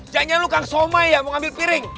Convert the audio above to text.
jangan jangan lu kang somai ya mau ambil piring